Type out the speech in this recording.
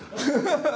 ハハハハ！